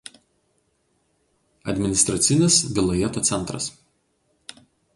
Administracinis vilajeto centras.